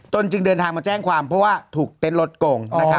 จึงเดินทางมาแจ้งความเพราะว่าถูกเต็นต์รถโกง